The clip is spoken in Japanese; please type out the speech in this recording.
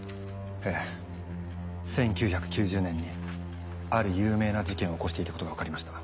ええ１９９０年にある有名な事件を起こしていたことが分かりました。